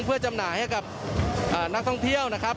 เพื่อจำหน่ายให้กับนักท่องเที่ยวนะครับ